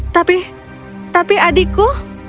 tapi tapi adikku